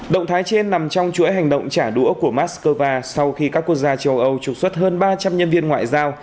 động thái trên nằm trong chuỗi hành động trả đũa của moscow sau khi các quốc gia châu âu trục xuất hơn ba trăm linh nhân viên ngoại giao